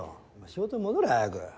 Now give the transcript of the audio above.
仕事に戻れ早く。